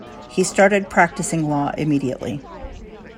He started practicing law immediately.